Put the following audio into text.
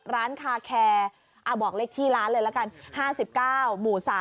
ร้านคาแคร์บอกเลขที่ร้านเลยละกัน๕๙หมู่๓